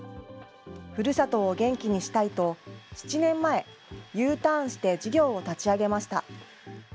ふるさとを元気にしたいと、７年前、Ｕターンして、事業を立ち上げました。